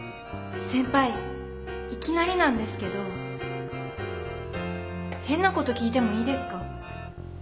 先輩いきなりなんですけど変なこと聞いてもいいですか？